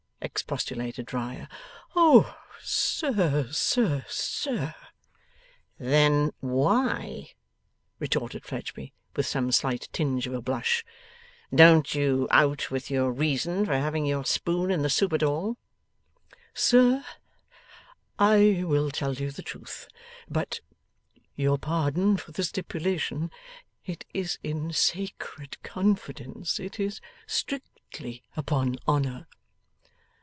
expostulated Riah. 'O, sir, sir, sir!' 'Then why,' retorted Fledgeby, with some slight tinge of a blush, 'don't you out with your reason for having your spoon in the soup at all?' 'Sir, I will tell you the truth. But (your pardon for the stipulation) it is in sacred confidence; it is strictly upon honour.